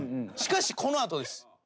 しかしこの後です。